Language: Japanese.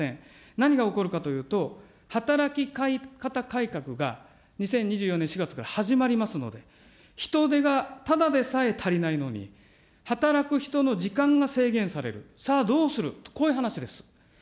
何が起こるかというと、働き方改革が２０２４年４月から始まりますので、人手がただでさえ足りないのに、働く人の時間が制限される、さあ、どうする、こういう話です。